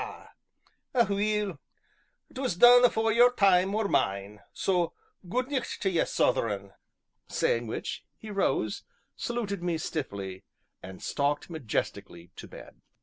Aweel! 'twas done afore your time or mine so gude nict tae ye, Southeron!" Saying which, he rose, saluted me stiffly, and stalked majestically to bed.